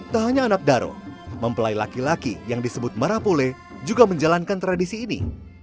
tak hanya anak daro mempelai laki laki yang disebut marapule juga menjalankan tradisi ini